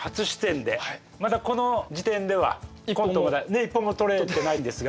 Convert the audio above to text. まだこの時点ではコントを一本も撮れてないんですが。